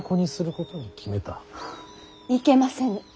いけませぬ。